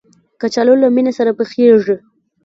کچالو له مېنې سره پخېږي